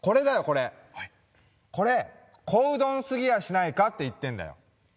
これはいこれ小うどんすぎやしないかって言ってんだよ